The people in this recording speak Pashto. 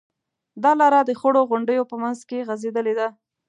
دا لاره د خړو غونډیو په منځ کې غځېدلې ده.